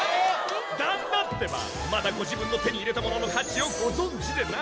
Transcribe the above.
まだご自分の手に入れたものの価値をご存じでない。